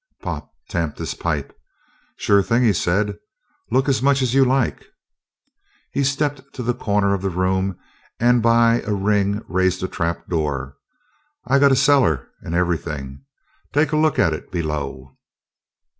Pop tamped his pipe. "Sure thing," he said. "Look as much as you like." He stepped to a corner of the room and by a ring he raised a trapdoor. "I got a cellar 'n' everything. Take a look at it below."